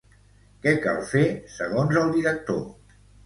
Què cal fer, segons el director?